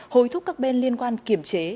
hồi thúc các bên liên quan kiểm chế